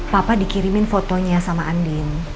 papa dikirimin fotonya sama andin